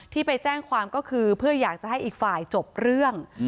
ที่ไปแจ้งความก็คือเพื่ออยากจะให้อีกฝ่ายจบเรื่อง